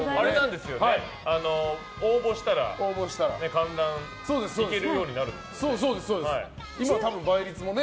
応募したら観覧いけるようになるんですよね。